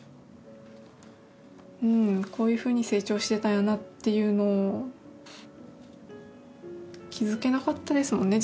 こういうふうに成長してたんやなっていうのを気づけなかったですもんね